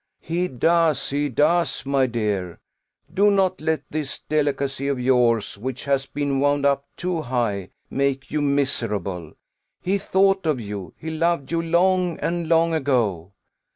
"He does, he does, my dear do not let this delicacy of yours, which has been wound up too high, make you miserable. He thought of you, he loved you long and long ago."